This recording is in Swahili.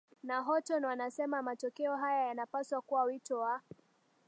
na Horton wanasema matokeo haya yanapaswa kuwa wito wa